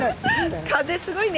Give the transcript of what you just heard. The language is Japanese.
風すごいね！